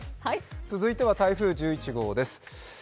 続いては台風１１号です。